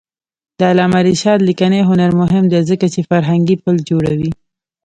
د علامه رشاد لیکنی هنر مهم دی ځکه چې فرهنګي پل جوړوي.